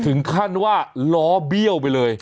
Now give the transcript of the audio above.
ถึงขั้นว่าล้อเบี้ยวไปเลย